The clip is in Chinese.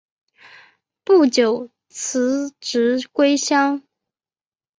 不久辞职归乡。